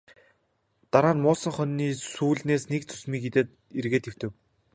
Дараа нь муулсан хонины сүүлнээс нэг зүсмийг идээд эргээд хэвтэв.